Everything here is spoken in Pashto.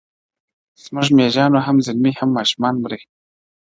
زموږ مېږیانو هم زلمي هم ماشومان مري-